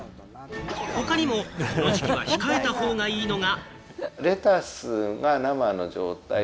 他にもこの時期は控えた方がいいのが。